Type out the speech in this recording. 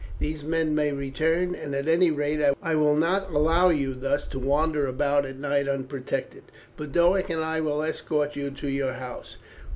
These men may return, and at any rate I will not allow you thus to wander about at night unprotected. Boduoc and I will escort you to your house.